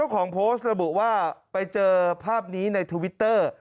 มอบว่าไปเจอภาพนี้ในทวิตเตอร์